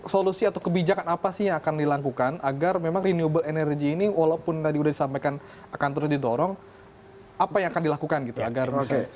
solusi atau kebijakan apa sih yang akan dilakukan agar memang renewable energy ini walaupun tadi udah disampaikan akan terus didorong apa yang akan dilakukan gitu agar bisa